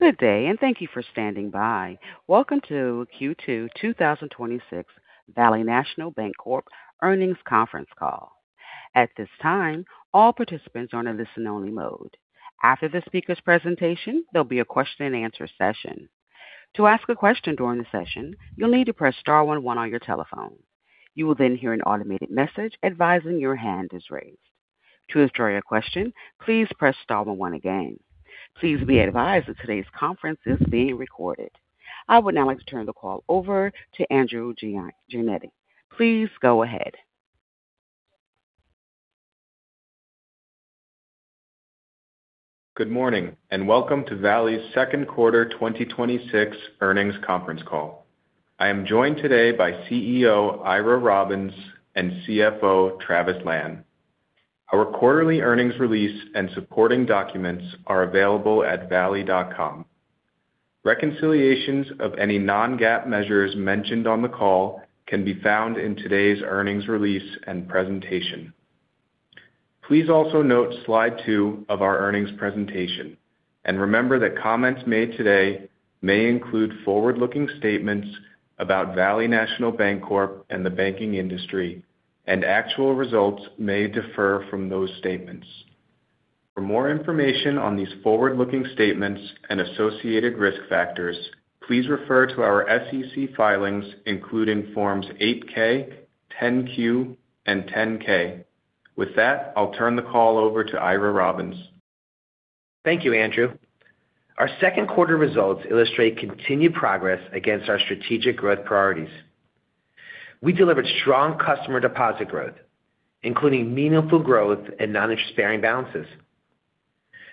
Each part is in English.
Good day, and thank you for standing by. Welcome to Q2 2026 Valley National Bancorp Earnings Conference Call. At this time, all participants are in listen only mode. After the speaker's presentation, there'll be a question and answer session. To ask a question during the session, you'll need to press star one one on your telephone. You will hear an automated message advising your hand is raised. To withdraw your question, please press star one one again. Please be advised that today's conference is being recorded. I would now like to turn the call over to Andrew Giannetti. Please go ahead. Good morning, and welcome to Valley's second quarter 2026 earnings conference call. I am joined today by CEO Ira Robbins and CFO Travis Lan. Our quarterly earnings release and supporting documents are available at valley.com. Reconciliations of any non-GAAP measures mentioned on the call can be found in today's earnings release and presentation. Please also note slide two of our earnings presentation and remember that comments made today may include forward-looking statements about Valley National Bancorp and the banking industry, and actual results may differ from those statements. For more information on these forward-looking statements and associated risk factors, please refer to our SEC filings including Forms 8-K, 10-Q and 10-K. With that, I'll turn the call over to Ira Robbins. Thank you, Andrew. Our second quarter results illustrate continued progress against our strategic growth priorities. We delivered strong customer deposit growth, including meaningful growth in non-interest bearing balances.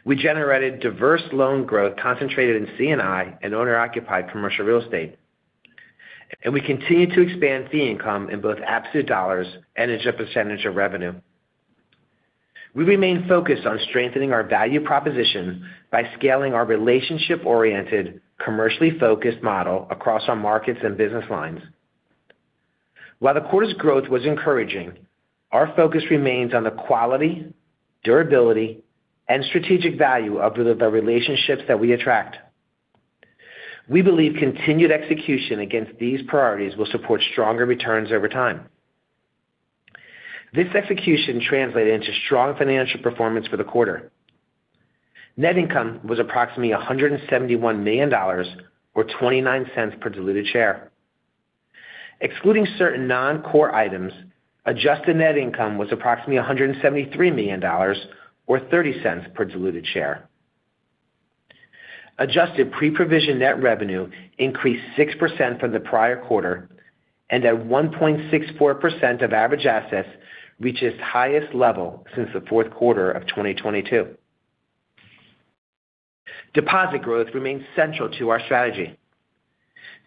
We generated diverse loan growth concentrated in C&I and owner-occupied commercial real estate. We continued to expand fee income in both absolute dollars and as a percentage of revenue. We remain focused on strengthening our value proposition by scaling our relationship-oriented, commercially focused model across our markets and business lines. While the quarter's growth was encouraging, our focus remains on the quality, durability, and strategic value of the relationships that we attract. We believe continued execution against these priorities will support stronger returns over time. This execution translated into strong financial performance for the quarter. Net income was approximately $171 million, or $0.29 per diluted share. Excluding certain non-core items, adjusted net income was approximately $173 million, or $0.30 per diluted share. Adjusted pre-provision net revenue increased 6% from the prior quarter and at 1.64% of average assets reached its highest level since the fourth quarter of 2022. Deposit growth remains central to our strategy.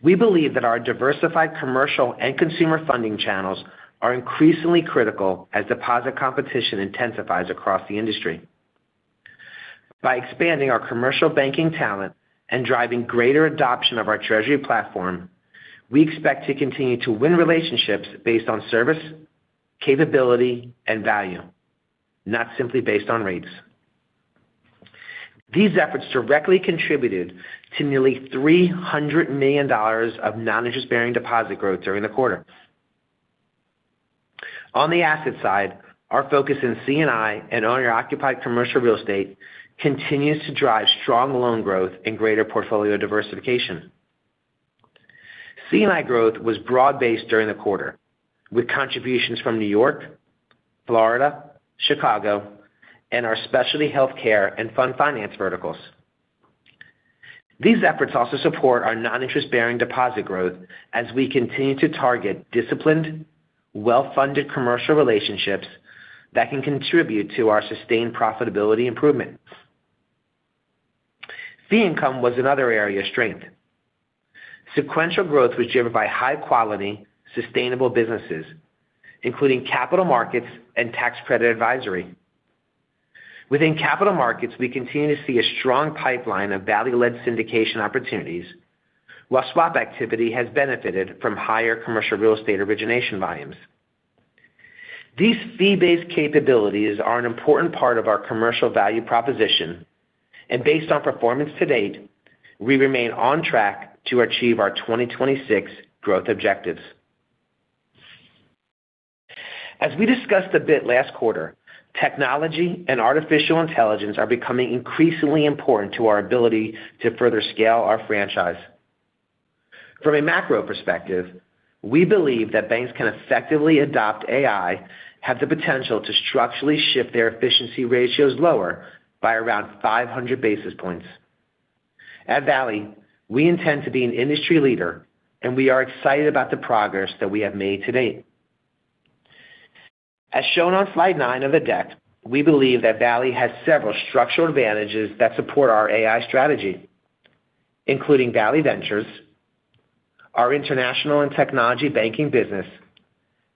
We believe that our diversified commercial and consumer funding channels are increasingly critical as deposit competition intensifies across the industry. By expanding our commercial banking talent and driving greater adoption of our treasury platform, we expect to continue to win relationships based on service, capability, and value, not simply based on rates. These efforts directly contributed to nearly $300 million of non-interest-bearing deposit growth during the quarter. On the asset side, our focus in C&I and owner-occupied commercial real estate continues to drive strong loan growth and greater portfolio diversification. C&I growth was broad-based during the quarter, with contributions from New York, Florida, Chicago, and our specialty healthcare and fund finance verticals. These efforts also support our non-interest-bearing deposit growth as we continue to target disciplined, well-funded commercial relationships that can contribute to our sustained profitability improvements. Fee income was another area of strength. Sequential growth was driven by high quality, sustainable businesses, including capital markets and tax credit advisory. Within capital markets, we continue to see a strong pipeline of Valley-led syndication opportunities, while swap activity has benefited from higher commercial real estate origination volumes. These fee-based capabilities are an important part of our commercial value proposition and based on performance to date, we remain on track to achieve our 2026 growth objectives. As we discussed a bit last quarter, technology and artificial intelligence are becoming increasingly important to our ability to further scale our franchise. From a macro perspective, we believe that banks can effectively adopt AI have the potential to structurally shift their efficiency ratios lower by around 500 basis points. At Valley, we intend to be an industry leader, and we are excited about the progress that we have made to date. As shown on slide nine of the deck, we believe that Valley has several structural advantages that support our AI strategy, including Valley Ventures, our international and technology banking business,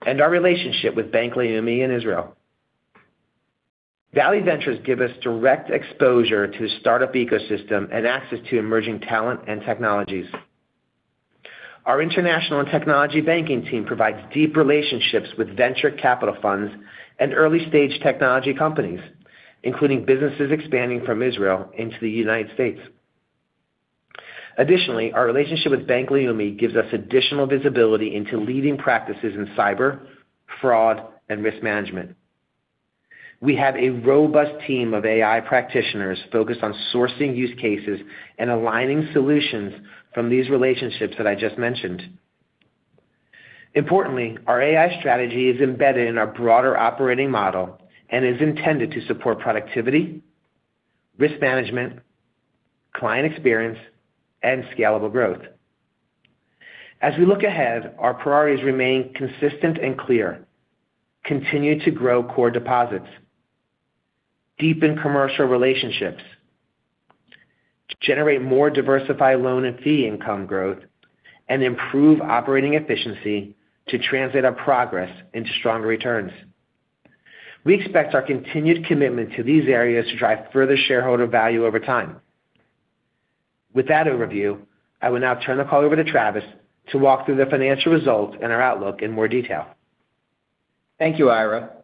and our relationship with Bank Leumi in Israel. Valley Ventures give us direct exposure to the startup ecosystem and access to emerging talent and technologies Our international and technology banking team provides deep relationships with venture capital funds and early-stage technology companies, including businesses expanding from Israel into the U.S. Additionally, our relationship with Bank Leumi gives us additional visibility into leading practices in cyber, fraud, and risk management. We have a robust team of AI practitioners focused on sourcing use cases and aligning solutions from these relationships that I just mentioned. Importantly, our AI strategy is embedded in our broader operating model and is intended to support productivity, risk management, client experience, and scalable growth. As we look ahead, our priorities remain consistent and clear. Continue to grow core deposits, deepen commercial relationships, generate more diversified loan and fee income growth, and improve operating efficiency to translate our progress into stronger returns. We expect our continued commitment to these areas to drive further shareholder value over time. With that overview, I will now turn the call over to Travis to walk through the financial results and our outlook in more detail. Thank you, Ira.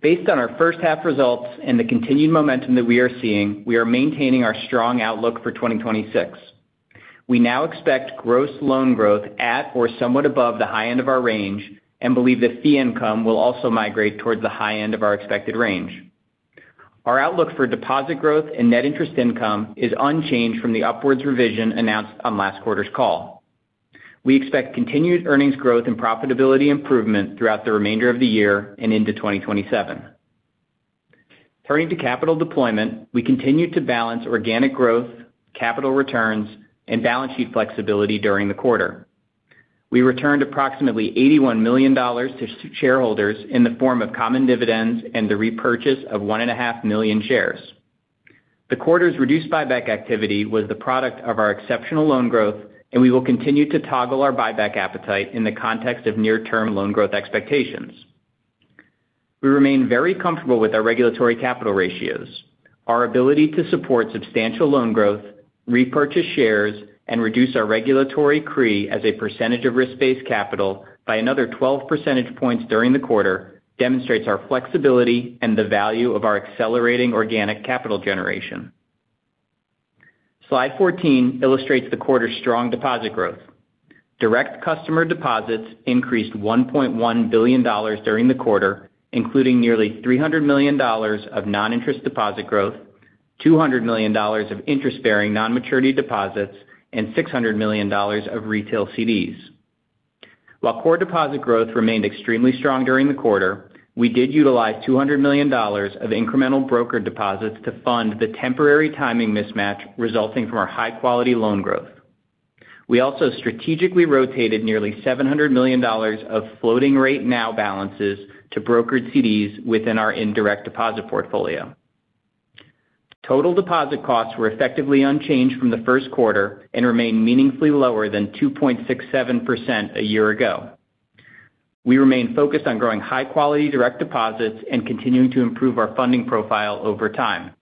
Based on our first half results and the continued momentum that we are seeing, we are maintaining our strong outlook for 2026. We now expect gross loan growth at or somewhat above the high end of our range, and believe that fee income will also migrate towards the high end of our expected range. Our outlook for deposit growth and net interest income is unchanged from the upwards revision announced on last quarter's call. We expect continued earnings growth and profitability improvement throughout the remainder of the year and into 2027. Turning to capital deployment, we continued to balance organic growth, capital returns, and balance sheet flexibility during the quarter. We returned approximately $81 million to shareholders in the form of common dividends and the repurchase of one and a half million shares. The quarter's reduced buyback activity was the product of our exceptional loan growth. We will continue to toggle our buyback appetite in the context of near-term loan growth expectations. We remain very comfortable with our regulatory capital ratios. Our ability to support substantial loan growth, repurchase shares, and reduce our regulatory CRE as a percentage of risk-based capital by another 12 percentage points during the quarter demonstrates our flexibility and the value of our accelerating organic capital generation. Slide 14 illustrates the quarter's strong deposit growth. Direct customer deposits increased $1.1 billion during the quarter, including nearly $300 million of non-interest deposit growth, $200 million of interest-bearing non-maturity deposits, and $600 million of retail CDs. While core deposit growth remained extremely strong during the quarter, we did utilize $200 million of incremental brokered deposits to fund the temporary timing mismatch resulting from our high-quality loan growth. We also strategically rotated nearly $700 million of floating-rate NOW balances to brokered CDs within our indirect deposit portfolio. Total deposit costs were effectively unchanged from the first quarter and remain meaningfully lower than 2.67% a year ago. We remain focused on growing high-quality direct deposits and continuing to improve our funding profile over time.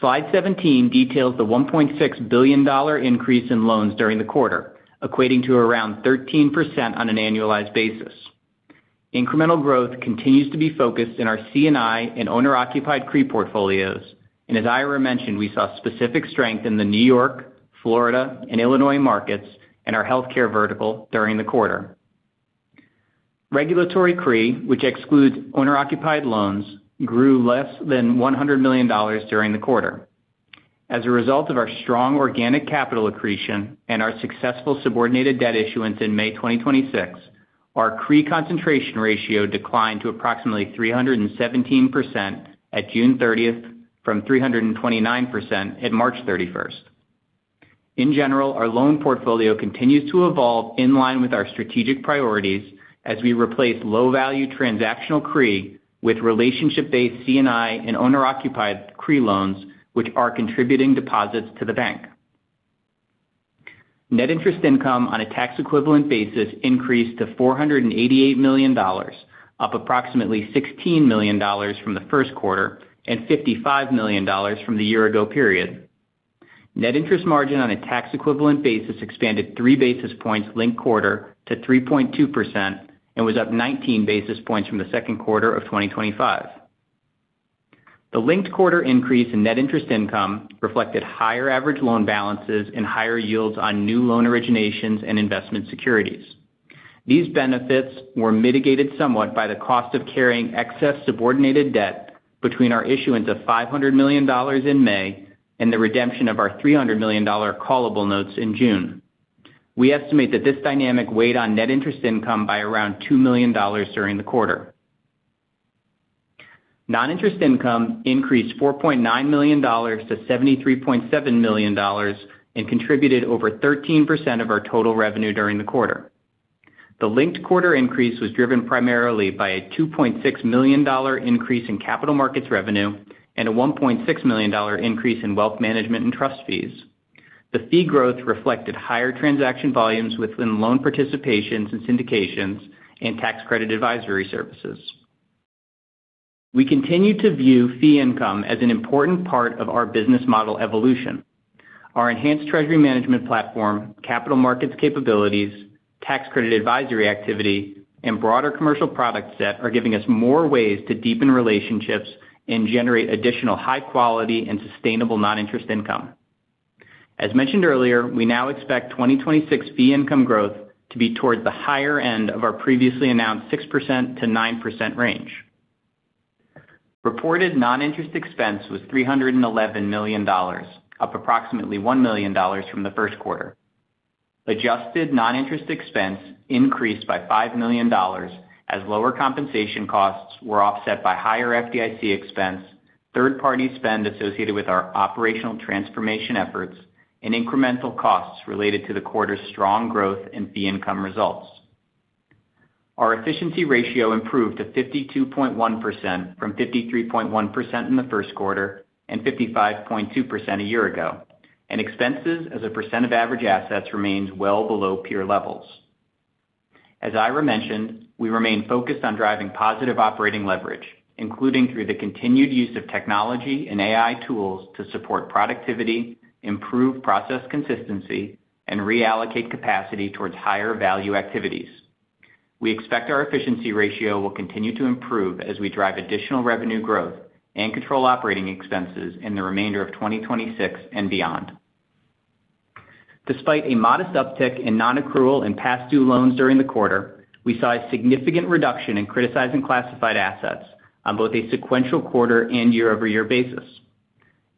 Slide 17 details the $1.6 billion increase in loans during the quarter, equating to around 13% on an annualized basis. Incremental growth continues to be focused in our C&I and owner-occupied CRE portfolios. As Ira mentioned, we saw specific strength in the New York, Florida, and Illinois markets and our healthcare vertical during the quarter. Regulatory CRE, which excludes owner-occupied loans, grew less than $100 million during the quarter. As a result of our strong organic capital accretion and our successful subordinated debt issuance in May 2026, our CRE concentration ratio declined to approximately 317% at June 30th from 329% at March 31st. In general, our loan portfolio continues to evolve in line with our strategic priorities as we replace low-value transactional CRE with relationship-based C&I and owner-occupied CRE loans, which are contributing deposits to the bank. Net interest income on a tax-equivalent basis increased to $488 million, up approximately $16 million from the first quarter and $55 million from the year ago period. Net interest margin on a tax-equivalent basis expanded three basis points linked quarter to 3.2% and was up 19 basis points from the second quarter of 2025. The linked quarter increase in net interest income reflected higher average loan balances and higher yields on new loan originations and investment securities. These benefits were mitigated somewhat by the cost of carrying excess subordinated debt between our issuance of $500 million in May and the redemption of our $300 million callable notes in June. We estimate that this dynamic weighed on net interest income by around $2 million during the quarter. Non-interest income increased $4.9 million to $73.7 million and contributed over 13% of our total revenue during the quarter. The linked quarter increase was driven primarily by a $2.6 million increase in capital markets revenue and a $1.6 million increase in wealth management and trust fees. The fee growth reflected higher transaction volumes within loan participations and syndications and tax credit advisory services. We continue to view fee income as an important part of our business model evolution. Our enhanced treasury management platform, capital markets capabilities, tax credit advisory activity, and broader commercial product set are giving us more ways to deepen relationships and generate additional high quality and sustainable non-interest income. As mentioned earlier, we now expect 2026 fee income growth to be towards the higher end of our previously announced 6%-9% range. Reported non-interest expense was $311 million, up approximately $1 million from the first quarter. Adjusted non-interest expense increased by $5 million as lower compensation costs were offset by higher FDIC expense, third party spend associated with our operational transformation efforts, and incremental costs related to the quarter's strong growth and fee income results. Our efficiency ratio improved to 52.1% from 53.1% in the first quarter and 55.2% a year ago, and expenses as a percent of average assets remains well below peer levels. As Ira mentioned, we remain focused on driving positive operating leverage, including through the continued use of technology and AI tools to support productivity, improve process consistency, and reallocate capacity towards higher value activities. We expect our efficiency ratio will continue to improve as we drive additional revenue growth and control operating expenses in the remainder of 2026 and beyond. Despite a modest uptick in non-accrual and past due loans during the quarter, we saw a significant reduction in criticized and classified assets on both a sequential quarter and year-over-year basis.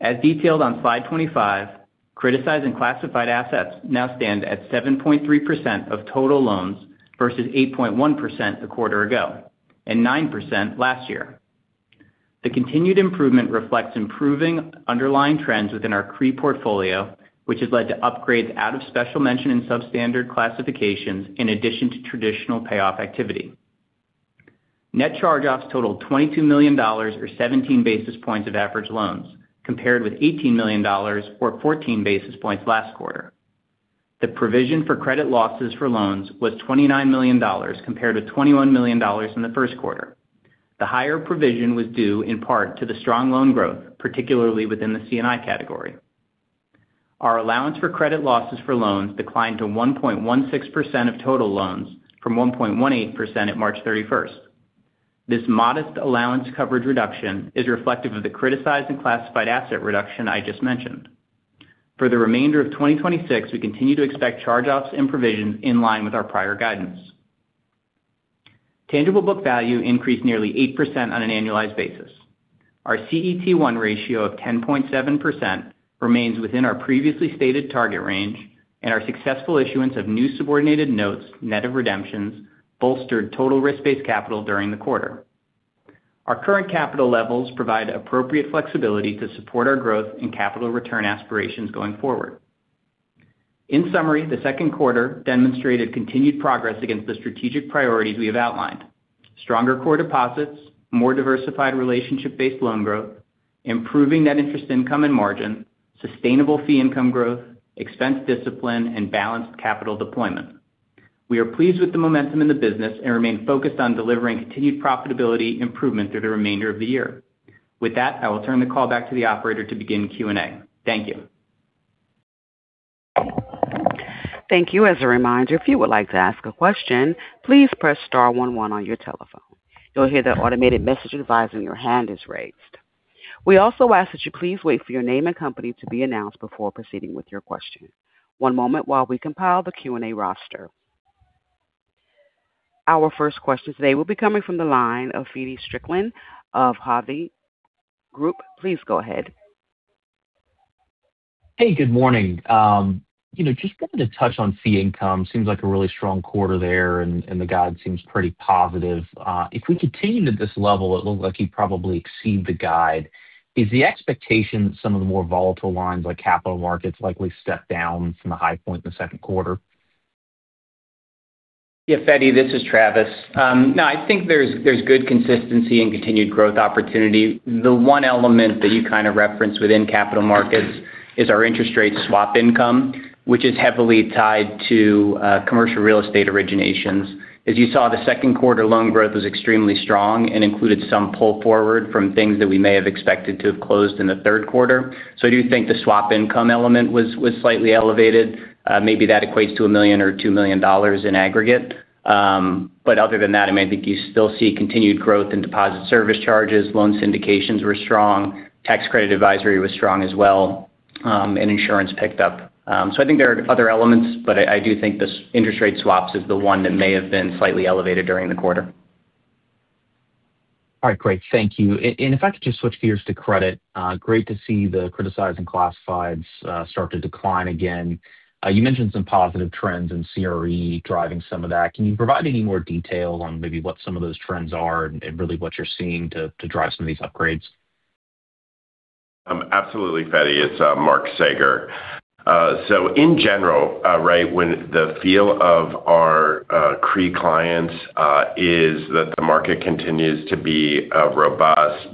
As detailed on slide 25, criticized and classified assets now stand at 7.3% of total loans versus 8.1% a quarter ago and 9% last year. The continued improvement reflects improving underlying trends within our CRE portfolio, which has led to upgrades out of special mention and substandard classifications in addition to traditional payoff activity. Net charge-offs totaled $22 million or 17 basis points of average loans, compared with $18 million or 14 basis points last quarter. The provision for credit losses for loans was $29 million, compared to $21 million in the first quarter. The higher provision was due in part to the strong loan growth, particularly within the C&I category. Our allowance for credit losses for loans declined to 1.16% of total loans from 1.18% at March 31st. This modest allowance coverage reduction is reflective of the criticized and classified asset reduction I just mentioned. For the remainder of 2026, we continue to expect charge-offs and provisions in line with our prior guidance. Tangible book value increased nearly 8% on an annualized basis. Our CET1 ratio of 10.7% remains within our previously stated target range, and our successful issuance of new subordinated notes, net of redemptions, bolstered total risk-based capital during the quarter. Our current capital levels provide appropriate flexibility to support our growth and capital return aspirations going forward. In summary, the second quarter demonstrated continued progress against the strategic priorities we have outlined. Stronger core deposits, more diversified relationship-based loan growth, improving net interest income and margin, sustainable fee income growth, expense discipline, and balanced capital deployment. We are pleased with the momentum in the business and remain focused on delivering continued profitability improvement through the remainder of the year. With that, I will turn the call back to the operator to begin Q&A. Thank you. Thank you. As a reminder, if you would like to ask a question, please press star 11 on your telephone. You'll hear the automated message advising your hand is raised. We also ask that you please wait for your name and company to be announced before proceeding with your question. One moment while we compile the Q&A roster. Our first question today will be coming from the line of Feddie Strickland of Hovde Group. Please go ahead. Hey, good morning. Just wanted to touch on fee income. Seems like a really strong quarter there and the guide seems pretty positive. If we continue at this level, it looks like you probably exceed the guide. Is the expectation that some of the more volatile lines like capital markets likely step down from the high point in the second quarter? Feddie, this is Travis. I think there's good consistency and continued growth opportunity. The one element that you kind of referenced within capital markets is our interest rate swap income, which is heavily tied to commercial real estate originations. As you saw, the second quarter loan growth was extremely strong and included some pull forward from things that we may have expected to have closed in the third quarter. I do think the swap income element was slightly elevated. Maybe that equates to $1 million or $2 million in aggregate. Other than that, I think you still see continued growth in deposit service charges. Loan syndications were strong. Tax credit advisory was strong as well. Insurance picked up. I think there are other elements, but I do think this interest rate swaps is the one that may have been slightly elevated during the quarter. All right, great. Thank you. If I could just switch gears to credit. Great to see the criticized and classifieds start to decline again. You mentioned some positive trends in CRE driving some of that. Can you provide any more detail on maybe what some of those trends are and really what you're seeing to drive some of these upgrades? Absolutely, Feddie. It is Mark Saeger. In general, right, when the feel of our CRE clients is that the market continues to be robust.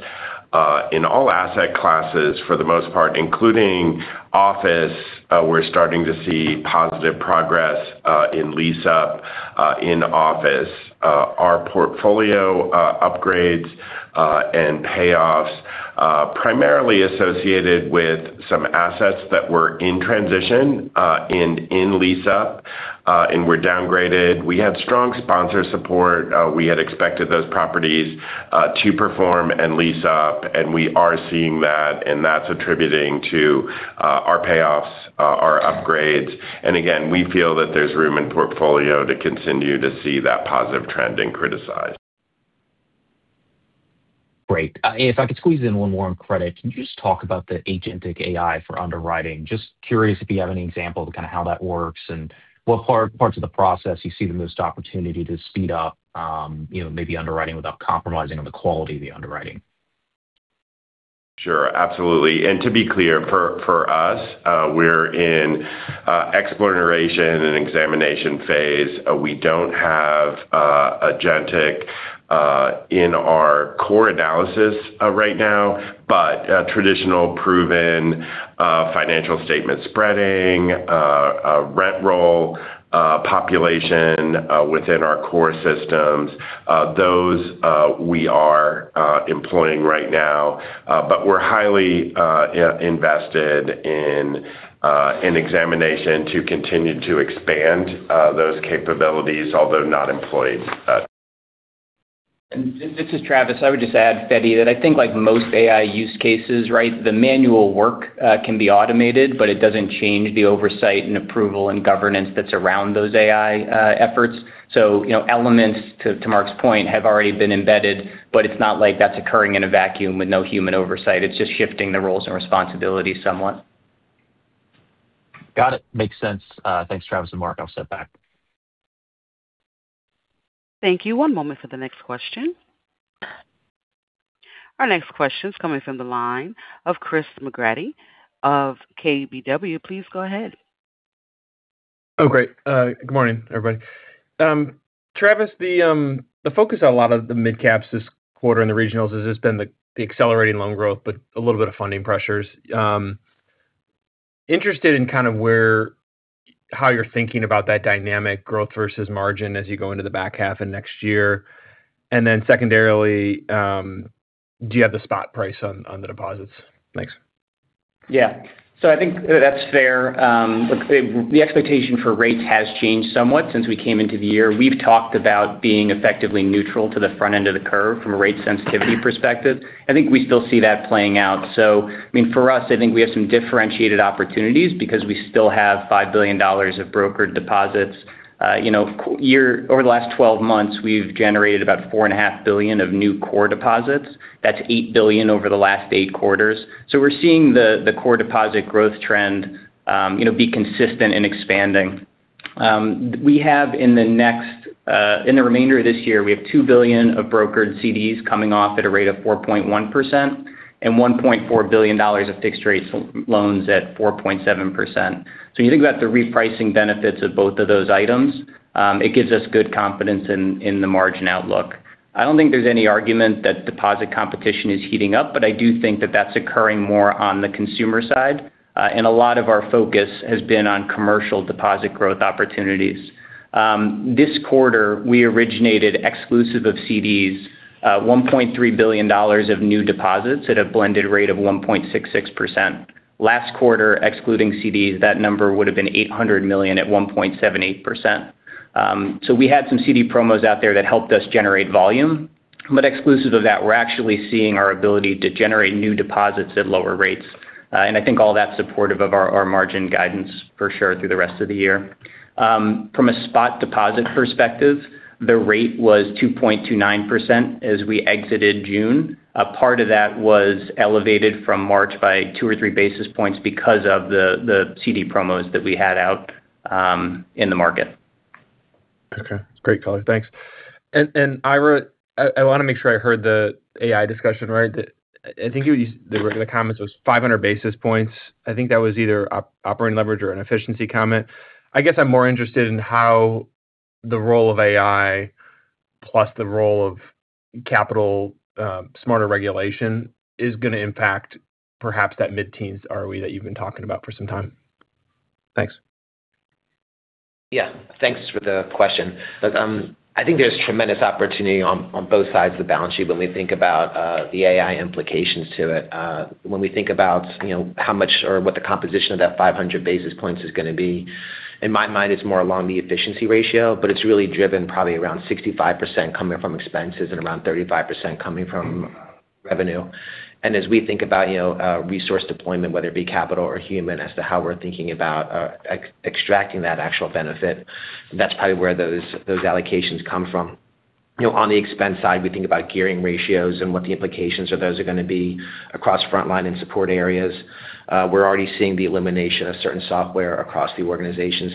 In all asset classes for the most part, including office, we are starting to see positive progress in lease-up in office. Our portfolio upgrades and payoffs primarily associated with some assets that were in transition and in lease-up and were downgraded. We had strong sponsor support. We had expected those properties to perform and lease up, and we are seeing that, and that is attributing to our payoffs, our upgrades. Again, we feel that there is room in portfolio to continue to see that positive trend in criticized. Great. If I could squeeze in one more on credit, can you just talk about the agentic AI for underwriting? Just curious if you have any example of how that works and what parts of the process you see the most opportunity to speed up maybe underwriting without compromising on the quality of the underwriting. Sure, absolutely. To be clear, for us, we are in exploration and examination phase. We do not have agentic in our core analysis right now. Traditional proven financial statement spreading, rent roll population within our core systems, those we are employing right now. We are highly invested in examination to continue to expand those capabilities, although not employed. This is Travis. I would just add, Feddie, that I think like most AI use cases, the manual work can be automated, it does not change the oversight and approval and governance that is around those AI efforts. Elements, to Mark's point, have already been embedded, it is not like that is occurring in a vacuum with no human oversight. It is just shifting the roles and responsibilities somewhat. Got it. Makes sense. Thanks, Travis and Mark. I'll step back. Thank you. One moment for the next question. Our next question is coming from the line of Chris McGratty of KBW. Please go ahead. Great. Good morning, everybody. Travis, the focus on a lot of the mid-caps this quarter in the regionals has just been the accelerating loan growth, but a little bit of funding pressures. Interested in how you're thinking about that dynamic growth versus margin as you go into the back half and next year. Secondarily, do you have the spot price on the deposits? Thanks. I think that's fair. The expectation for rates has changed somewhat since we came into the year. We've talked about being effectively neutral to the front end of the curve from a rate sensitivity perspective. I think we still see that playing out. For us, I think we have some differentiated opportunities because we still have $5 billion of brokered deposits. Over the last 12 months, we've generated about $4.5 billion of new core deposits. That's $8 billion over the last eight quarters. We're seeing the core deposit growth trend be consistent in expanding. We have in the remainder of this year, we have $2 billion of brokered CDs coming off at a rate of 4.1% and $1.4 billion of fixed rates loans at 4.7%. You think about the repricing benefits of both of those items, it gives us good confidence in the margin outlook. I don't think there's any argument that deposit competition is heating up, but I do think that that's occurring more on the consumer side. A lot of our focus has been on commercial deposit growth opportunities. This quarter, we originated exclusive of CDs, $1.3 billion of new deposits at a blended rate of 1.66%. Last quarter, excluding CDs, that number would have been $800 million at 1.78%. We had some CD promos out there that helped us generate volume. Exclusive of that, we're actually seeing our ability to generate new deposits at lower rates. I think all that's supportive of our margin guidance for sure through the rest of the year. From a spot deposit perspective, the rate was 2.29% as we exited June. A part of that was elevated from March by two or three basis points because of the CD promos that we had out in the market. Okay. Great color. Thanks. Ira, I want to make sure I heard the AI discussion right. I think one of the comments was 500 basis points. I think that was either operating leverage or an efficiency comment. I guess I'm more interested in how the role of AI+ the role of capital smarter regulation is going to impact perhaps that mid-teens ROE that you've been talking about for some time. Thanks. Yeah. Thanks for the question. Look, I think there's tremendous opportunity on both sides of the balance sheet when we think about the AI implications to it. When we think about how much or what the composition of that 500 basis points is going to be. In my mind, it's more along the efficiency ratio, but it's really driven probably around 65% coming from expenses and around 35% coming from revenue. As we think about resource deployment, whether it be capital or human as to how we're thinking about extracting that actual benefit, that's probably where those allocations come from. On the expense side, we think about gearing ratios and what the implications of those are going to be across frontline and support areas. We're already seeing the elimination of certain software across the organization.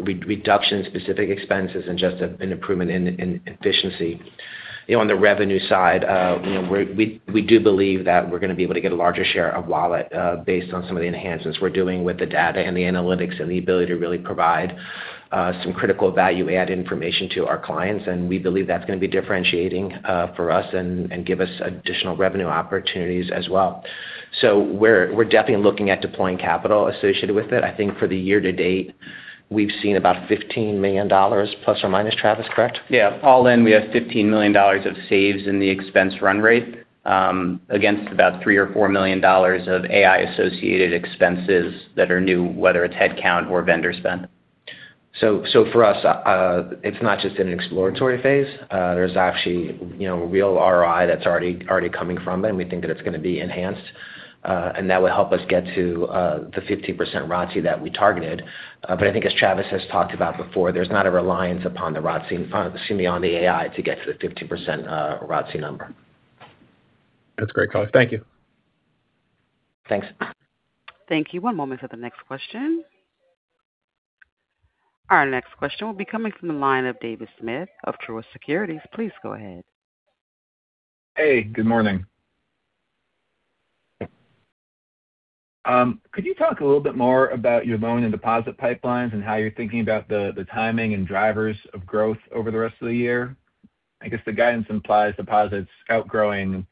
Reduction in specific expenses and just an improvement in efficiency. On the revenue side, we do believe that we're going to be able to get a larger share of wallet based on some of the enhancements we're doing with the data and the analytics and the ability to really provide some critical value-add information to our clients. We believe that's going to be differentiating for us and give us additional revenue opportunities as well. We're definitely looking at deploying capital associated with it. I think for the year to date, we've seen about $15 million, ±, Travis, correct? All in, we have $15 million of saves in the expense run rate against about $3 million or $4 million of AI-associated expenses that are new, whether it's headcount or vendor spend. For us, it's not just in an exploratory phase. There's actually real ROI that's already coming from it, and we think that it's going to be enhanced. That will help us get to the 50% ROTCE that we targeted. I think as Travis has talked about before, there's not a reliance upon the AI to get to the 15% ROTCE number. That's great, guys. Thank you. Thanks. Thank you. One moment for the next question. Our next question will be coming from the line of David Smith of Truist Securities. Please go ahead. Hey, good morning. Could you talk a little bit more about your loan and deposit pipelines and how you're thinking about the timing and drivers of growth over the rest of the year? I guess the guidance implies deposits outgrowing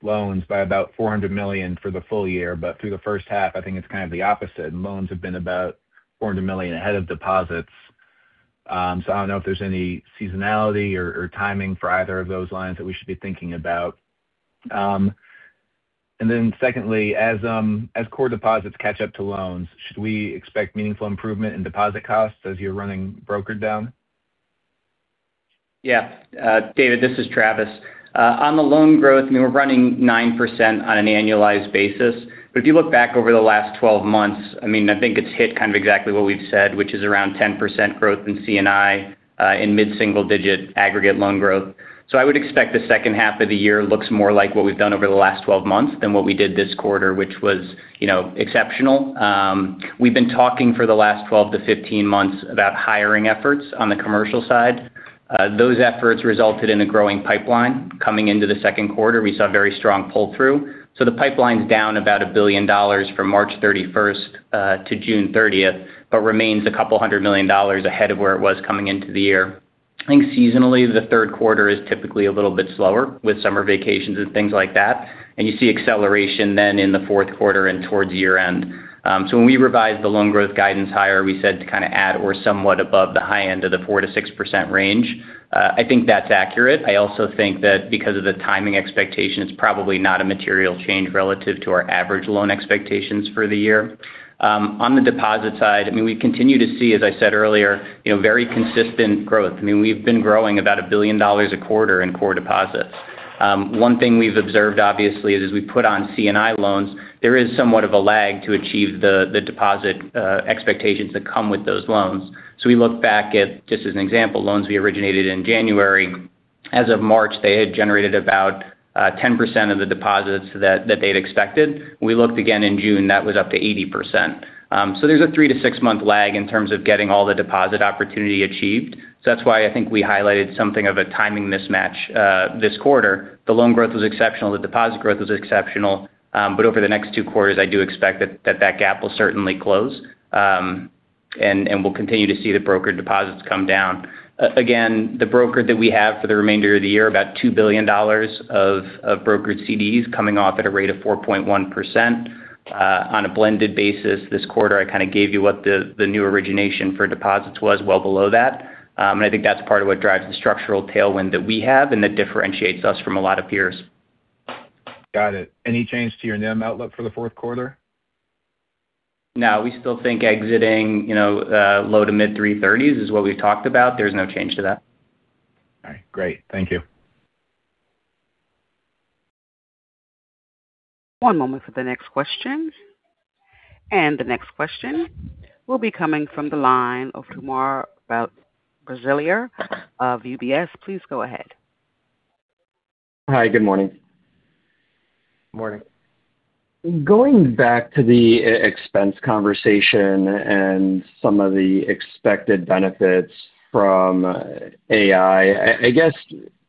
loans by about $400 million for the full year. Through the first half, I think it's kind of the opposite. Loans have been about $400 million ahead of deposits. I don't know if there's any seasonality or timing for either of those lines that we should be thinking about. Secondly, as core deposits catch up to loans, should we expect meaningful improvement in deposit costs as you're running brokered down? Yeah. David, this is Travis. On the loan growth, we're running 9% on an annualized basis. If you look back over the last 12 months, I think it's hit kind of exactly what we've said, which is around 10% growth in C&I, in mid-single digit aggregate loan growth. I would expect the second half of the year looks more like what we've done over the last 12 months than what we did this quarter, which was exceptional. We've been talking for the last 12 to 15 months about hiring efforts on the commercial side. Those efforts resulted in a growing pipeline. Coming into the second quarter, we saw very strong pull-through. The pipeline's down about $1 billion from March 31st to June 30th, but remains $200 million ahead of where it was coming into the year. I think seasonally, the third quarter is typically a little bit slower with summer vacations and things like that, and you see acceleration then in the fourth quarter and towards year-end. When we revised the loan growth guidance higher, we said to kind of add or somewhat above the high end of the 4%-6% range. I think that's accurate. I also think that because of the timing expectation, it's probably not a material change relative to our average loan expectations for the year. On the deposit side, we continue to see, as I said earlier, very consistent growth. We've been growing about $1 billion a quarter in core deposits. One thing we've observed obviously is as we put on C&I loans, there is somewhat of a lag to achieve the deposit expectations that come with those loans. We look back at, just as an example, loans we originated in January. As of March, they had generated about 10% of the deposits that they'd expected. We looked again in June, that was up to 80%. There's a three to six-month lag in terms of getting all the deposit opportunity achieved. That's why I think we highlighted something of a timing mismatch this quarter. The loan growth was exceptional, the deposit growth was exceptional. Over the next two quarters, I do expect that that gap will certainly close. We'll continue to see the broker deposits come down. Again, the broker that we have for the remainder of the year, about $2 billion of brokered CDs coming off at a rate of 4.1%. On a blended basis this quarter, I kind of gave you what the new origination for deposits was well below that. I think that's part of what drives the structural tailwind that we have and that differentiates us from a lot of peers. Got it. Any change to your NIM outlook for the fourth quarter? No, we still think exiting low to mid-330s is what we've talked about. There's no change to that. All right. Great. Thank you. One moment for the next question. The next question will be coming from the line of Timur Braziler of UBS. Please go ahead. Hi. Good morning. Morning. Going back to the expense conversation and some of the expected benefits from AI,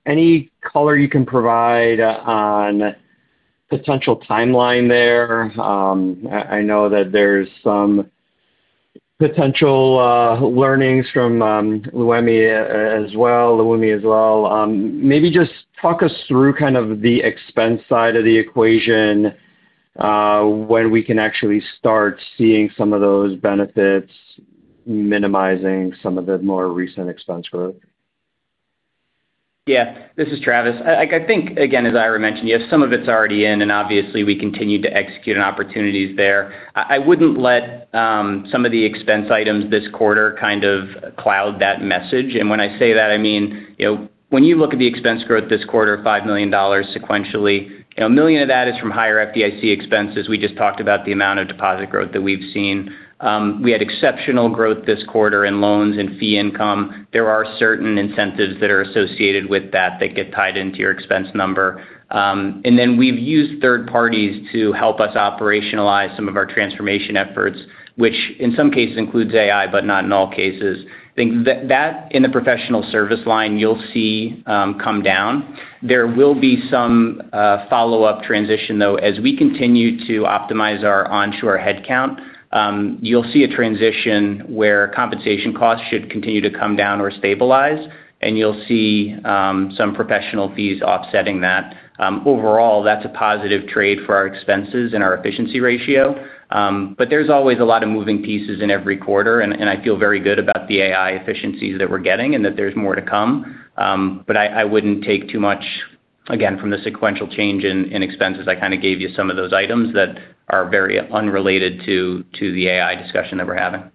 any color you can provide on potential timeline there? I know that there's some potential learnings from Leumi as well. Maybe just talk us through kind of the expense side of the equation, when we can actually start seeing some of those benefits minimizing some of the more recent expense growth. Yeah. This is Travis. I think, again, as Ira mentioned, some of it's already in, obviously we continue to execute on opportunities there. I wouldn't let some of the expense items this quarter kind of cloud that message. When I say that, I mean when you look at the expense growth this quarter, $5 million sequentially, $1 million of that is from higher FDIC expenses. We just talked about the amount of deposit growth that we've seen. We had exceptional growth this quarter in loans and fee income. There are certain incentives that are associated with that that get tied into your expense number. Then we've used third parties to help us operationalize some of our transformation efforts, which in some cases includes AI, but not in all cases. I think that in the professional service line, you'll see come down. There will be some follow-up transition, though. As we continue to optimize our onshore headcount, you'll see a transition where compensation costs should continue to come down or stabilize, you'll see some professional fees offsetting that. Overall, that's a positive trade for our expenses and our efficiency ratio. There's always a lot of moving pieces in every quarter, I feel very good about the AI efficiencies that we're getting and that there's more to come. I wouldn't take too much from the sequential change in expenses, I kind of gave you some of those items that are very unrelated to the AI discussion that we're having.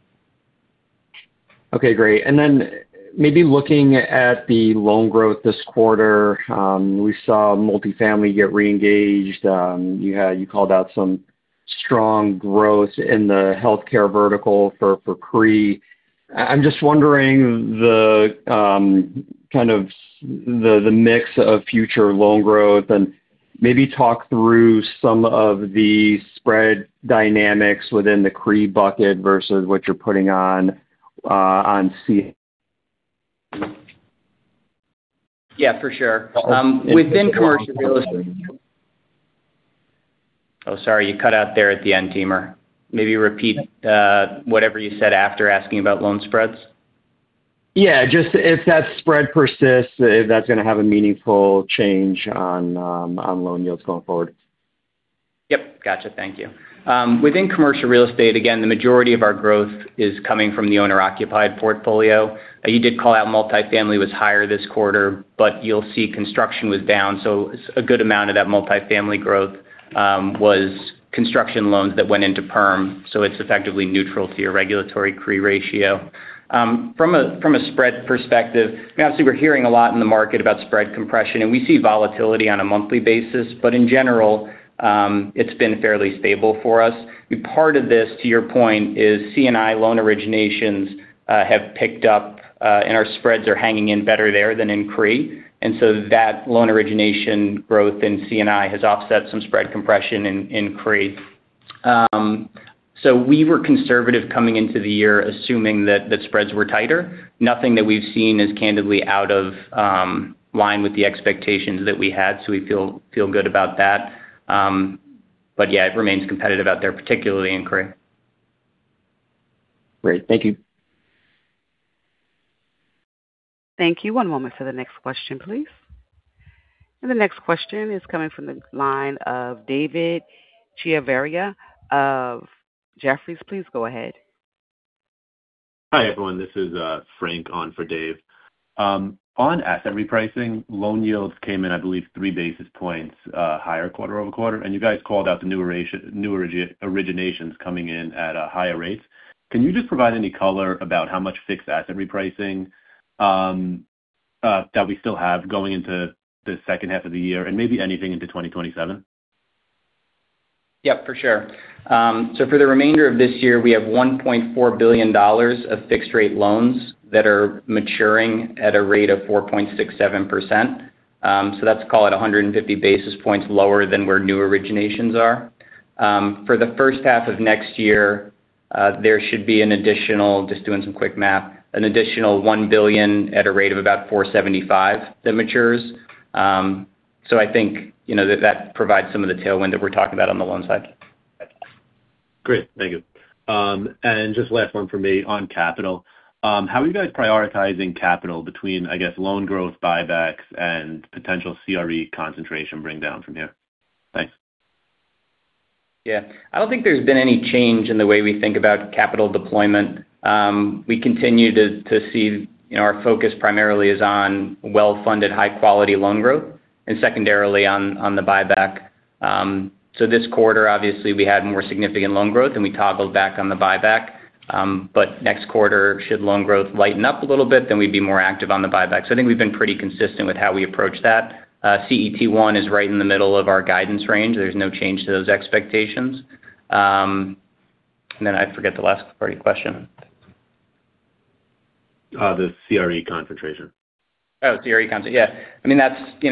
Okay, great. Then maybe looking at the loan growth this quarter, we saw multifamily get re-engaged. You called out some strong growth in the healthcare vertical for CRE. I'm just wondering the mix of future loan growth and maybe talk through some of the spread dynamics within the CRE bucket versus what you're putting on. Yeah, for sure. Within commercial real estate. Oh, sorry, you cut out there at the end, Timur. Maybe repeat whatever you said after asking about loan spreads. Yeah, just if that spread persists, if that's going to have a meaningful change on loan yields going forward. Yep. Gotcha. Thank you. Within commercial real estate, again, the majority of our growth is coming from the owner-occupied portfolio. You did call out multifamily was higher this quarter, you'll see construction was down, a good amount of that multifamily growth was construction loans that went into perm. It's effectively neutral to your regulatory CRE ratio. From a spread perspective, obviously we're hearing a lot in the market about spread compression, and we see volatility on a monthly basis. In general, it's been fairly stable for us. Part of this, to your point is C&I loan originations have picked up, and our spreads are hanging in better there than in CRE. That loan origination growth in C&I has offset some spread compression in CRE. We were conservative coming into the year, assuming that spreads were tighter. Nothing that we've seen is candidly out of line with the expectations that we had, we feel good about that. Yeah, it remains competitive out there, particularly in CRE. Great. Thank you. Thank you. One moment for the next question, please. The next question is coming from the line of David Chiaverini of Jefferies. Please go ahead. Hi, everyone. This is Frank on for David. On asset repricing, loan yields came in, I believe, three basis points higher quarter-over-quarter. You guys called out the newer originations coming in at a higher rate. Can you just provide any color about how much fixed asset repricing that we still have going into the second half of the year and maybe anything into 2027? Yeah, for sure. For the remainder of this year, we have $1.4 billion of fixed-rate loans that are maturing at a rate of 4.67%. Let's call it 150 basis points lower than where new originations are. For the first half of next year, there should be an additional, just doing some quick math, an additional $1 billion at a rate of about 475 that matures. I think that provides some of the tailwind that we're talking about on the loan side. Great. Thank you. Just last one from me on capital. How are you guys prioritizing capital between, I guess, loan growth buybacks and potential CRE concentration bring down from here? Thanks. Yeah. I don't think there's been any change in the way we think about capital deployment. We continue to see our focus primarily is on well-funded, high-quality loan growth and secondarily on the buyback. This quarter, obviously we had more significant loan growth, and we toggled back on the buyback. Next quarter, should loan growth lighten up a little bit, then we'd be more active on the buyback. I think we've been pretty consistent with how we approach that. CET1 is right in the middle of our guidance range. There's no change to those expectations. Then I forget the last part of your question. The CRE concentration. CRE concentration. Yeah.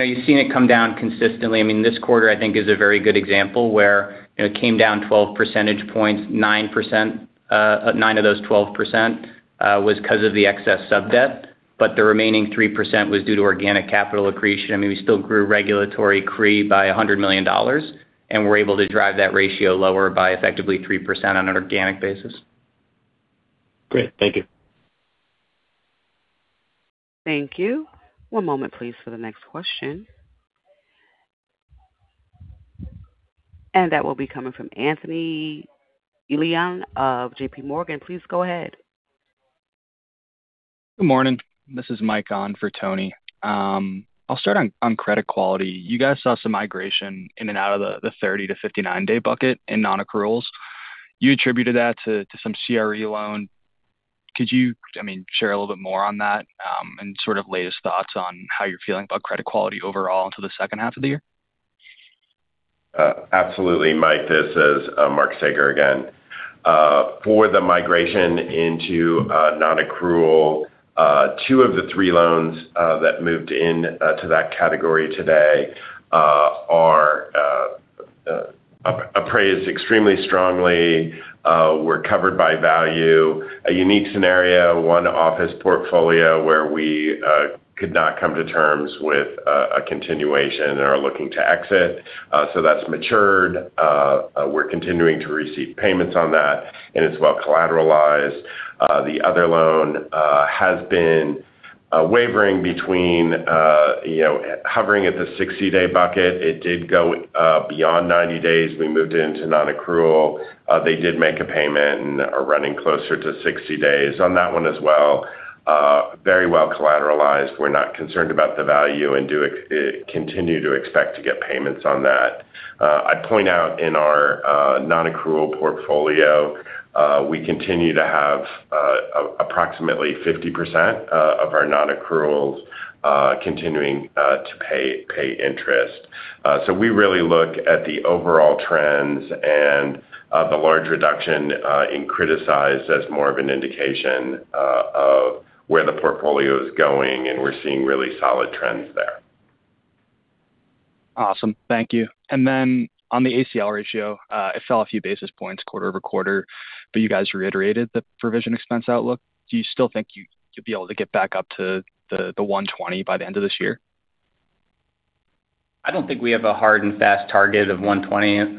You've seen it come down consistently. This quarter, I think, is a very good example where it came down 12 percentage points, 9% of 9 of those 12% was because of the excess sub-debt, but the remaining 3% was due to organic capital accretion. We still grew regulatory CRE by $100 million, and we're able to drive that ratio lower by effectively 3% on an organic basis. Great. Thank you. Thank you. One moment, please, for the next question. That will be coming from Anthony Elian of JPMorgan. Please go ahead. Good morning. This is Mike on for Tony. I'll start on credit quality. You guys saw some migration in and out of the 30 to 59-day bucket in non-accruals. You attributed that to some CRE loan. Could you share a little bit more on that and sort of latest thoughts on how you're feeling about credit quality overall into the second half of the year? Absolutely, Mike. This is Mark Saeger again. For the migration into non-accrual, two of the three loans that moved into that category today are appraised extremely strongly, were covered by value. A unique scenario, one office portfolio where we could not come to terms with a continuation and are looking to exit. That's matured. We're continuing to receive payments on that, and it's well collateralized. The other loan has been wavering between hovering at the 60-day bucket. It did go beyond 90 days. We moved into non-accrual. They did make a payment and are running closer to 60 days on that one as well. Very well collateralized. We're not concerned about the value and continue to expect to get payments on that. I'd point out in our non-accrual portfolio, we continue to have approximately 50% of our non-accruals continuing to pay interest. We really look at the overall trends and the large reduction in criticized as more of an indication of where the portfolio is going, and we're seeing really solid trends there. Awesome. Thank you. Then on the ACL ratio, it fell a few basis points quarter-over-quarter, you guys reiterated the provision expense outlook. Do you still think you'll be able to get back up to the 120 by the end of this year? I don't think we have a hard and fast target of 120.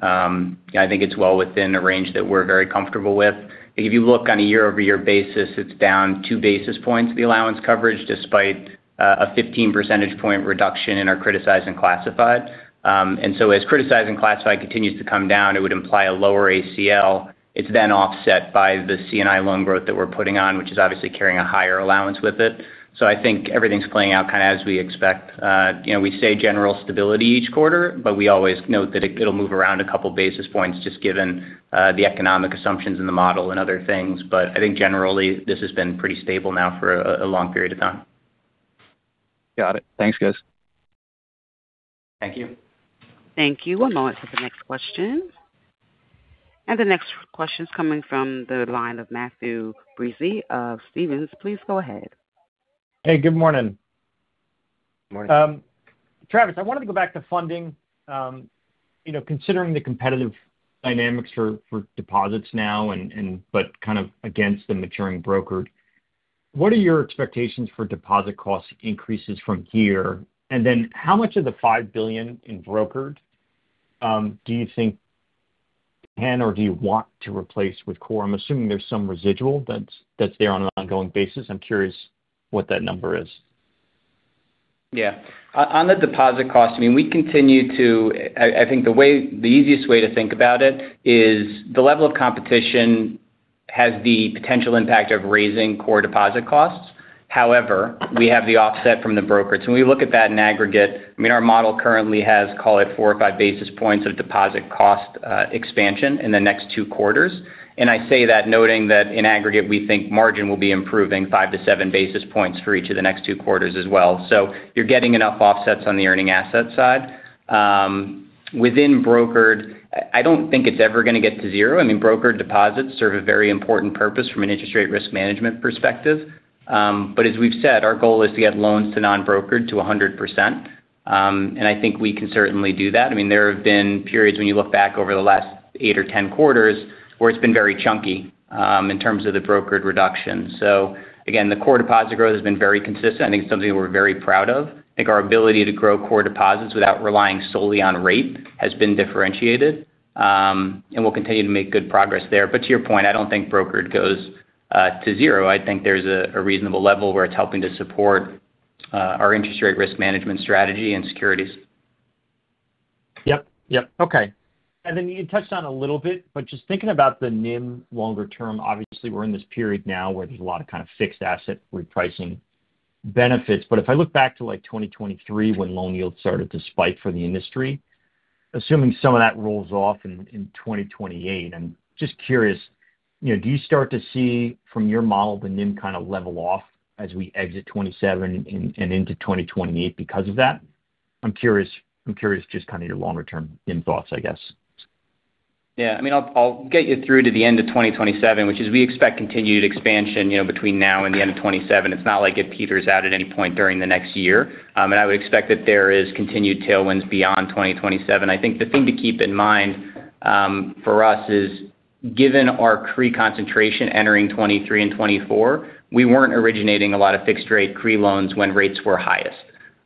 I think it's well within a range that we're very comfortable with. If you look on a year-over-year basis, it's down two basis points, the allowance coverage, despite a 15 percentage point reduction in our criticized and classified. As criticized and classified continues to come down, it would imply a lower ACL. It's then offset by the C&I loan growth that we're putting on, which is obviously carrying a higher allowance with it. I think everything's playing out kind of as we expect. We say general stability each quarter, we always note that it'll move around a couple of basis points just given the economic assumptions in the model and other things. I think generally, this has been pretty stable now for a long period of time. Got it. Thanks, guys. Thank you. Thank you. One moment for the next question. The next question is coming from the line of Matthew Breese of Stephens. Please go ahead. Hey, good morning. Morning. Travis, I wanted to go back to funding. Considering the competitive dynamics for deposits now but kind of against the maturing brokered, what are your expectations for deposit cost increases from here? How much of the $5 billion in brokered do you think can, or do you want to replace with core? I'm assuming there's some residual that's there on an ongoing basis. I'm curious what that number is. Yeah. On the deposit cost, I think the easiest way to think about it is the level of competition has the potential impact of raising core deposit costs. However, we have the offset from the brokers. When we look at that in aggregate, our model currently has, call it, four or five basis points of deposit cost expansion in the next two quarters. I say that noting that in aggregate, we think margin will be improving five to seven basis points for each of the next two quarters as well. You're getting enough offsets on the earning asset side. Within brokered, I don't think it's ever going to get to zero. Brokered deposits serve a very important purpose from an interest rate risk management perspective. As we've said, our goal is to get loans to non-brokered to 100%, and I think we can certainly do that. There have been periods when you look back over the last eight or 10 quarters where it's been very chunky in terms of the brokered reduction. Again, the core deposit growth has been very consistent. I think it's something we're very proud of. I think our ability to grow core deposits without relying solely on rate has been differentiated, and we'll continue to make good progress there. To your point, I don't think brokered goes to zero. I think there's a reasonable level where it's helping to support our interest rate risk management strategy and securities. Yep. Okay. Then you touched on a little bit, just thinking about the NIM longer term, obviously we're in this period now where there's a lot of kind of fixed asset repricing benefits. If I look back to 2023 when loan yields started to spike for the industry, assuming some of that rolls off in 2028, I'm just curious, do you start to see from your model the NIM kind of level off as we exit 2027 and into 2028 because of that? I'm curious just kind of your longer term NIM thoughts, I guess. Yeah. I'll get you through to the end of 2027, which is we expect continued expansion between now and the end of 2027. It's not like it peters out at any point during the next year. I would expect that there is continued tailwinds beyond 2027. I think the thing to keep in mind for us is given our CRE concentration entering 2023 and 2024, we weren't originating a lot of fixed rate CRE loans when rates were highest.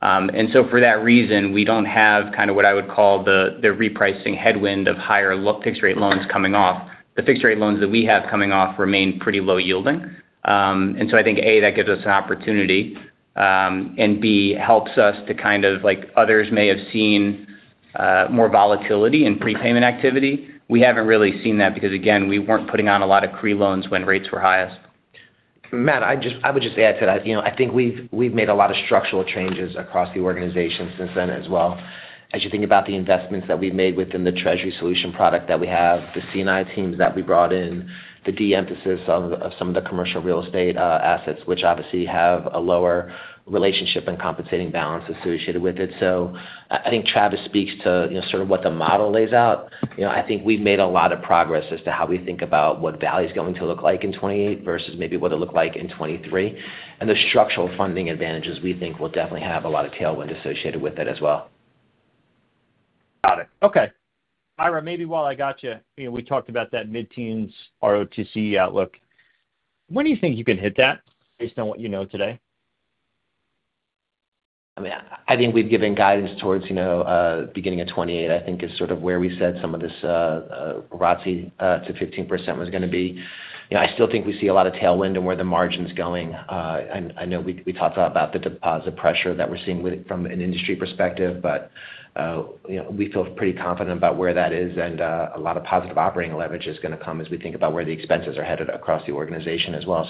For that reason, we don't have kind of what I would call the repricing headwind of higher fixed rate loans coming off. The fixed rate loans that we have coming off remain pretty low yielding. I think A, that gives us an opportunity, and B, helps us to kind of like others may have seen more volatility in prepayment activity. We haven't really seen that because again, we weren't putting on a lot of CRE loans when rates were highest. Matt, I would just add to that, I think we've made a lot of structural changes across the organization since then as well. As you think about the investments that we've made within the treasury solution product that we have, the C&I teams that we brought in, the de-emphasis of some of the commercial real estate assets, which obviously have a lower relationship and compensating balance associated with it. I think Travis speaks to sort of what the model lays out. I think we've made a lot of progress as to how we think about what Valley is going to look like in 2028 versus maybe what it looked like in 2023. The structural funding advantages we think will definitely have a lot of tailwind associated with it as well. Got it. Okay. Ira, maybe while I got you, we talked about that mid-teens ROTCE outlook. When do you think you can hit that based on what you know today? I think we've given guidance towards beginning of 2028, I think is sort of where we said some of this ROTCE to 15% was going to be. I still think we see a lot of tailwind in where the margin's going. I know we talked about the deposit pressure that we're seeing from an industry perspective, but we feel pretty confident about where that is and a lot of positive operating leverage is going to come as we think about where the expenses are headed across the organization as well.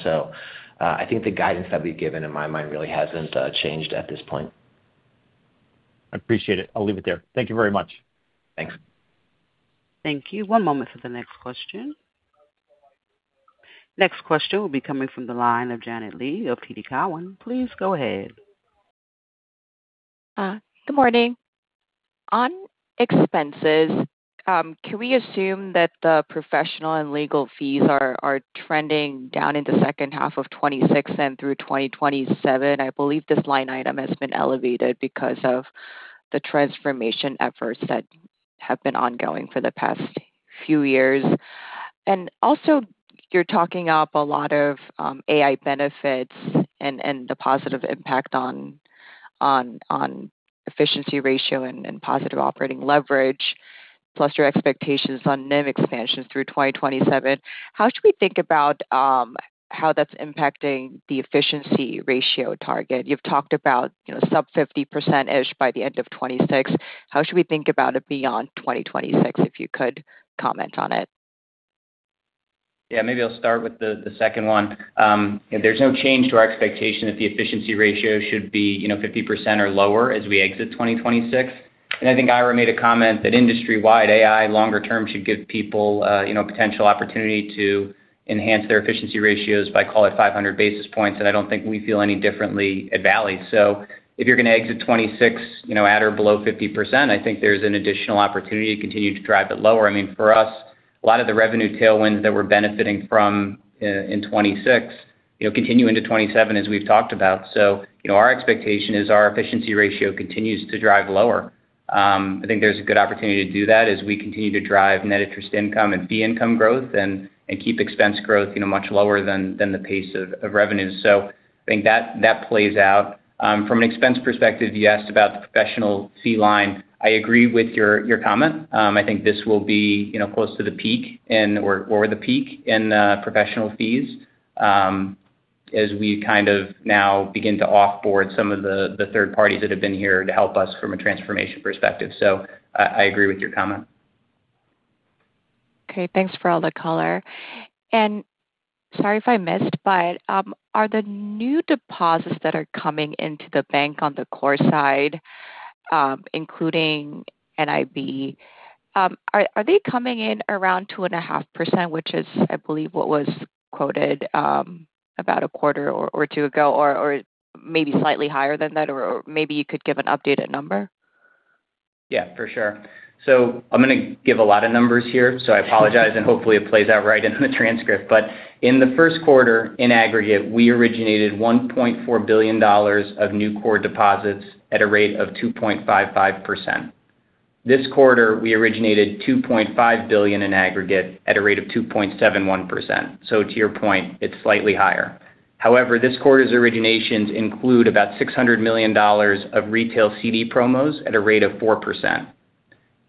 I think the guidance that we've given in my mind really hasn't changed at this point. I appreciate it. I'll leave it there. Thank you very much. Thanks. Thank you. One moment for the next question. Next question will be coming from the line of Janet Lee of TD Cowen. Please go ahead. Good morning. On expenses, can we assume that the professional and legal fees are trending down in the second half of 2026 and through 2027? I believe this line item has been elevated because of the transformation efforts that have been ongoing for the past few years. Also, you're talking up a lot of AI benefits and the positive impact on efficiency ratio and positive operating leverage, plus your expectations on NIM expansion through 2027. How should we think about how that's impacting the efficiency ratio target? You've talked about sub 50%-ish by the end of 2026. How should we think about it beyond 2026, if you could comment on it? Maybe I'll start with the second one. There's no change to our expectation that the efficiency ratio should be 50% or lower as we exit 2026. I think Ira made a comment that industry-wide AI longer term should give people a potential opportunity to enhance their efficiency ratios by, call it, 500 basis points. I don't think we feel any differently at Valley. If you're going to exit 2026 at or below 50%, I think there's an additional opportunity to continue to drive it lower. For us, a lot of the revenue tailwinds that we're benefiting from in 2026 continue into 2027, as we've talked about. Our expectation is our efficiency ratio continues to drive lower. I think there's a good opportunity to do that as we continue to drive net interest income and fee income growth and keep expense growth much lower than the pace of revenue. I think that plays out. From an expense perspective, you asked about the professional fee line. I agree with your comment. I think this will be close to the peak or the peak in professional fees as we now begin to off-board some of the third parties that have been here to help us from a transformation perspective. I agree with your comment. Okay, thanks for all the color. Sorry if I missed, are the new deposits that are coming into the bank on the core side, including NIB, are they coming in around 2.5%, which is, I believe, what was quoted about a quarter or two ago, or maybe slightly higher than that, or maybe you could give an updated number? Yeah, for sure. I'm going to give a lot of numbers here, I apologize, and hopefully it plays out right in the transcript. In the first quarter, in aggregate, we originated $1.4 billion of new core deposits at a rate of 2.55%. This quarter, we originated $2.5 billion in aggregate at a rate of 2.71%. To your point, it's slightly higher. However, this quarter's originations include about $600 million of retail CD promos at a rate of 4%.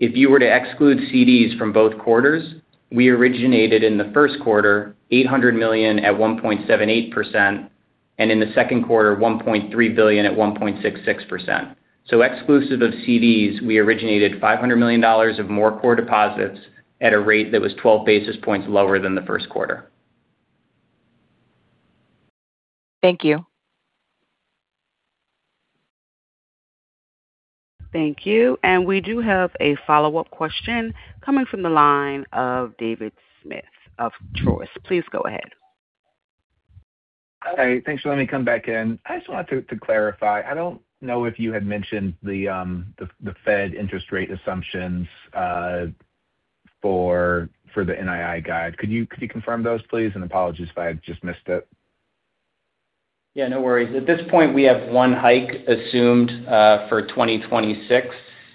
If you were to exclude CDs from both quarters, we originated in the first quarter $800 million at 1.78%, and in the second quarter, $1.3 billion at 1.66%. Exclusive of CDs, we originated $500 million of more core deposits at a rate that was 12 basis points lower than the first quarter. Thank you. Thank you. We do have a follow-up question coming from the line of David Smith of Truist. Please go ahead. Hi. Thanks for letting me come back in. I just wanted to clarify, I don't know if you had mentioned the Fed interest rate assumptions for the NII guide. Could you confirm those, please? Apologies if I just missed it. Yeah, no worries. At this point, we have one hike assumed for 2026,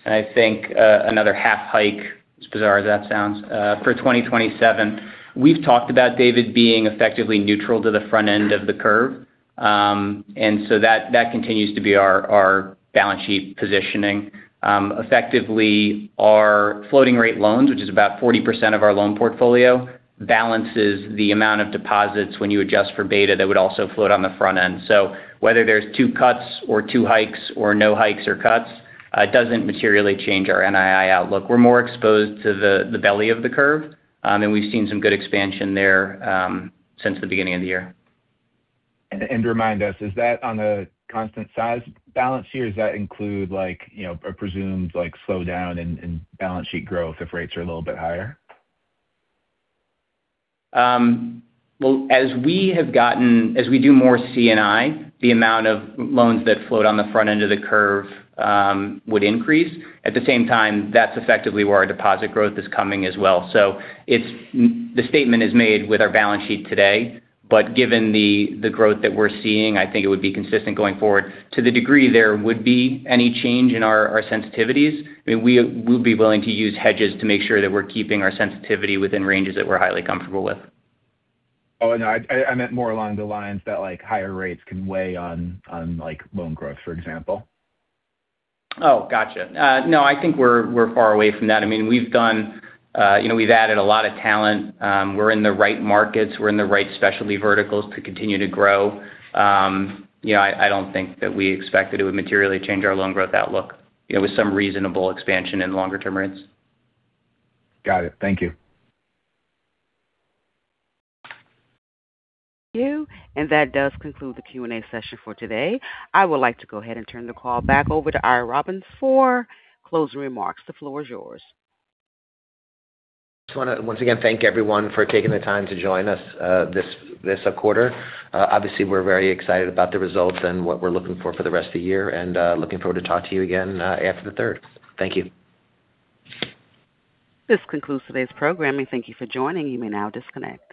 I think another half hike, as bizarre as that sounds, for 2027. We've talked about, David, being effectively neutral to the front end of the curve. That continues to be our balance sheet positioning. Effectively, our floating rate loans, which is about 40% of our loan portfolio, balances the amount of deposits when you adjust for beta that would also float on the front end. Whether there's two cuts or two hikes or no hikes or cuts, it doesn't materially change our NII outlook. We're more exposed to the belly of the curve, and we've seen some good expansion there since the beginning of the year. Remind us, is that on a constant size balance sheet, or does that include a presumed slowdown in balance sheet growth if rates are a little bit higher? As we do more C&I, the amount of loans that float on the front end of the curve would increase. At the same time, that's effectively where our deposit growth is coming as well. The statement is made with our balance sheet today, given the growth that we're seeing, I think it would be consistent going forward. To the degree there would be any change in our sensitivities, we would be willing to use hedges to make sure that we're keeping our sensitivity within ranges that we're highly comfortable with. I meant more along the lines that higher rates can weigh on loan growth, for example. Got you. I think we're far away from that. We've added a lot of talent. We're in the right markets. We're in the right specialty verticals to continue to grow. I don't think that we expect that it would materially change our loan growth outlook with some reasonable expansion in longer-term rates. Got it. Thank you. Thank you. That does conclude the Q&A session for today. I would like to go ahead and turn the call back over to Ira Robbins for closing remarks. The floor is yours. Just want to once again thank everyone for taking the time to join us this quarter. Obviously, we're very excited about the results and what we're looking for for the rest of the year and looking forward to talk to you again after the third. Thank you. This concludes today's programming. Thank you for joining. You may now disconnect.